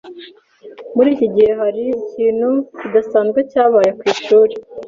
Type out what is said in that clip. Muri iki gihe hari ikintu kidasanzwe cyabaye ku ishuri?